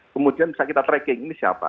kemudian bisa kita tracking ini siapa